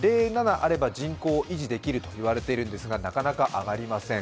あれば人口を維持できると言われているんですがなかなか上がりません。